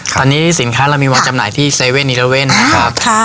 ตอนนี้สินค้าเรามีวางจำหน่ายที่๗๑๑นะครับ